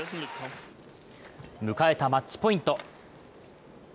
迎えたマッチポイント。